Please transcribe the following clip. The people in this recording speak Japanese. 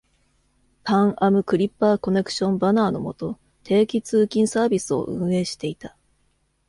"パン・アム・クリッパーコネクション"バナーのもと、定期通勤サービスを運営していた。